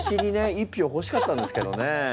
１票ほしかったんですけどね。